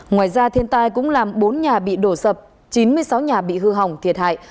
ngoài ra thiên tai cũng làm bốn nhà bị đổ sập chín mươi sáu nhà bị hư hỏng thiệt hại